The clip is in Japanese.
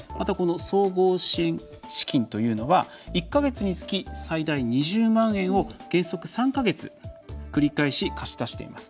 総合支援資金というのは１か月につき最大２０万円を原則３か月繰り返し貸し出しています。